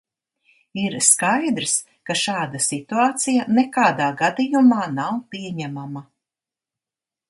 Ir skaidrs, ka šāda situācija nekādā gadījumā nav pieņemama.